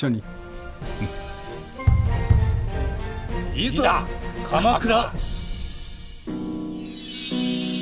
いざ鎌倉！